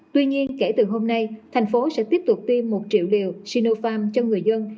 tuy nhiên kể từ hôm nay thành phố sẽ tiếp tục tiêm một triệu liều sinopharm cho người dân